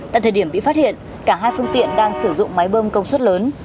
tại thời điểm bị phát hiện cả hai phương tiện đang sử dụng máy bơm công suất lớn